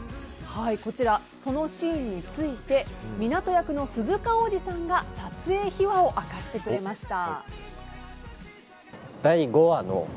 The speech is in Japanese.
こちら、そのシーンについて湊斗役の鈴鹿央士さんが撮影秘話を明かしてくれました。